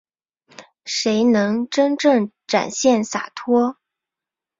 谁能真正展现洒脱